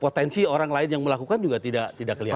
potensi orang lain yang melakukan juga tidak kelihatan